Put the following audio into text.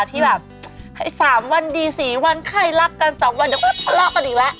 ที่แบบให้๓วันดี๔วันใครรักกัน๒วันเดี๋ยวลอกกันอีกแล้ว